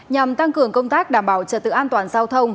nhằm tăng cường công tác đảm bảo trật tự an toàn giao thông